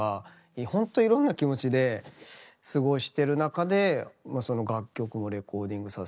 ほんといろんな気持ちで過ごしてる中でその楽曲のレコーディングさせていただいて。